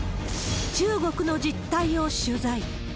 中国の実態を取材。